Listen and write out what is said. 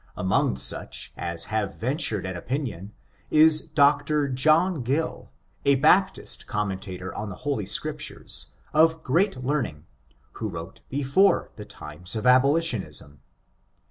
Among such as have ven tured an opinion is Dr. John Gill, a Baptist common tator on the Holy Scriptures, of great learning, who wrote before the times of abolitionism.